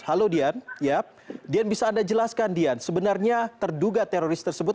halo dian dian bisa anda jelaskan dian sebenarnya terduga teroris tersebut